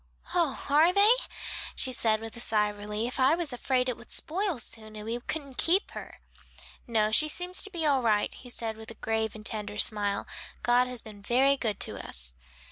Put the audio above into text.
"Oh, are they?" she said with a sigh of relief, "I was afraid it would spoil soon and we couldn't keep her." "No, she seems to be all right," he said with a grave and tender smile. "God has been very good to us."